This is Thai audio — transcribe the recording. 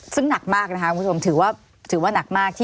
ซึ่งหนักมากนะคะคุณผู้ชมถือว่านักมาก